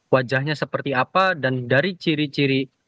wajahnya seperti apa dan dari ciri ciri